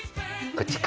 こっちか。